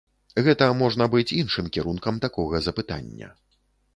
Гэта можна быць іншым кірункам такога запытання.